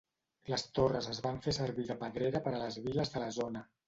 Les torres es van fer servir de pedrera per a les viles de la zona.